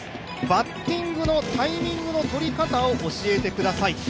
バッティングのタイミングの取り方を教えてください。